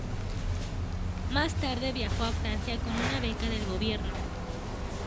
Más tarde viajó a Francia con una beca del gobierno.